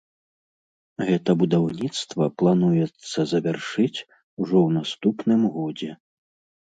Гэта будаўніцтва плануецца завяршыць ужо ў наступным годзе.